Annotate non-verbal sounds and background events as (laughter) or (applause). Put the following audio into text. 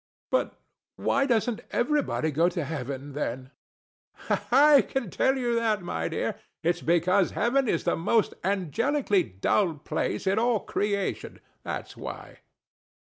ANA. But why doesn't everybody go to Heaven, then? THE STATUE. (chuckles) I can tell you that, my dear. It's because heaven is the most angelically dull place in all creation: that's why.